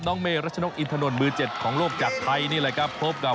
น้องเมย์รัชนกอินทนนมือ๗ของโลกจากไทยนี่แหละครับ